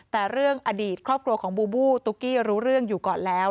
แต่เรื่องอดีตครอบครัวของบูบูตุ๊กกี้รู้เรื่องอยู่ก่อนแล้ว